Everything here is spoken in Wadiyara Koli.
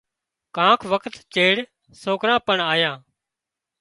ڪانڪ وکت چيڙ سوڪرا پڻ آيا